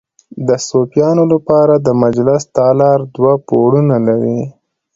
د صوفیانو لپاره د مجلس تالار دوه پوړونه لري.